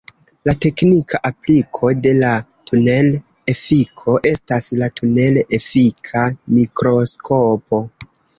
La teknika apliko de la tunel-efiko estas la tunel-efika mikroskopo.